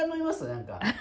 なんか。